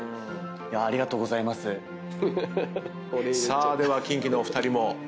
さあではキンキのお二人も。